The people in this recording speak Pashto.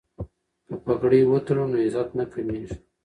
که پګړۍ وتړو نو عزت نه کمیږي.